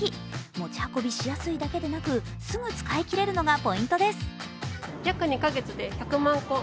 持ち運びしやすいだけでなくすぐ使いきれるのがポイントです。